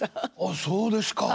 あそうですか。